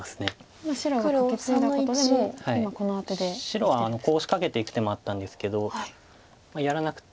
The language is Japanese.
白はコウを仕掛けていく手もあったんですけどやらなくても。